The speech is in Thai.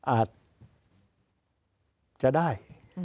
อาจจะได้